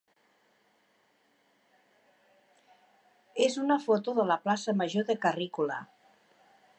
és una foto de la plaça major de Carrícola.